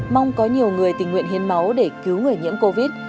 mong có nhiều người tình nguyện hiến máu để cứu người nhiễm covid